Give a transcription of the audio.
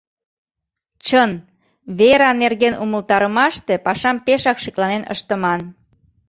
Чын, вера нерген умылтарымаште пашам пешак шекланен ыштыман.